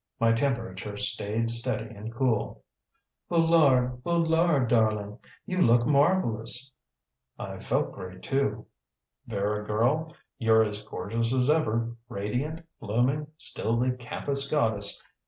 My temperature stayed steady and cool. "Boulard! Boulard, darling! You look marvelous!" I felt great, too. "Vera, girl. You're as gorgeous as ever, radiant, blooming, still the campus goddess.